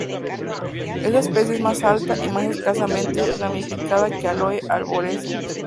Esta especie es más alta y más escasamente ramificada que "Aloe arborescens".